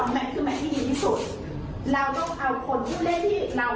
เพราะว่าถ้าเจ็บมันก็ต้องตายไปสนามนี้